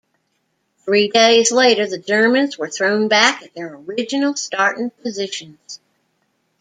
Three days later, the Germans were thrown back at their original starting positions.